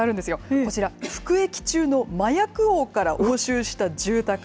こちら、服役中の麻薬王から押収した住宅。